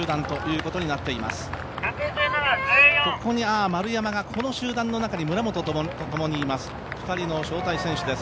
ここに丸山がこの集団の中に村本とともにいます。